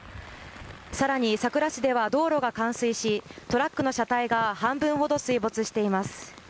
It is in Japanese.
さらに、佐倉市では道路が冠水しトラックの車体が半分ほど水没しています。